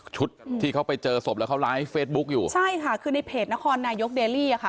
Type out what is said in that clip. ชุดที่เขาไปเจอสมแล้วเขาร้ายเฟซบุ๊กอยู่ใช่ค่ะคือในเพจนครนายกเดรี่ย์ค่ะ